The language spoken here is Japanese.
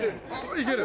いける？